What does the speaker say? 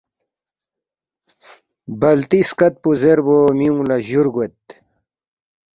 بلتی سکتپو زیربو میونگلا جور گوید